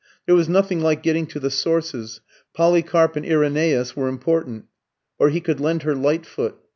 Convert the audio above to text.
There was nothing like getting to the sources Polycarp and Irenæus were important; or he could lend her Lightfoot.